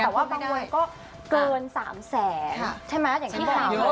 แต่ว่าบางวงก็เกิน๓แสนใช่ไหม